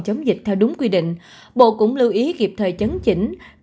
chống dịch theo đúng quy định bộ cũng lưu ý kịp thời chấn chỉnh